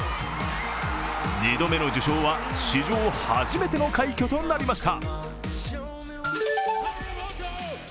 ２度目の受賞は史上初めての快挙となりました。